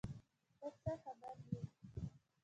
ته څه خبر یې ؟